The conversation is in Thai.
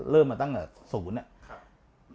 เริ่มมาตั้งแต่ศูนย์อะ